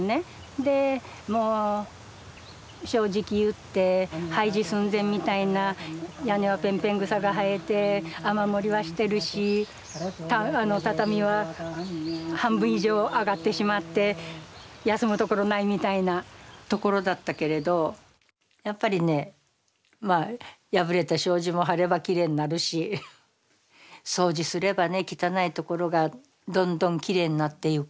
でもう正直言って廃寺寸前みたいな屋根はペンペン草が生えて雨漏りはしてるし畳は半分以上あがってしまって休む所ないみたいな所だったけれどやっぱりねまあ破れた障子も張ればきれいになるし掃除すればね汚い所がどんどんきれいになっていく。